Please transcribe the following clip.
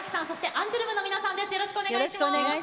アンジュルムの皆さんです。